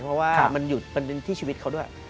เพราะว่ามันหยุดมันเป็นที่ชีวิตเขาด้วย